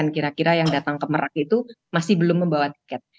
kira kira yang datang ke merak itu masih belum membawa tiket